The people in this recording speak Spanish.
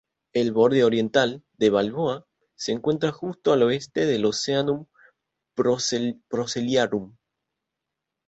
El borde oriental de Balboa se encuentra justo al oeste del Oceanus Procellarum.